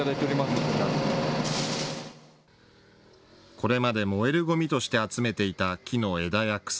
これまで燃えるゴミとして集めていた木の枝や草。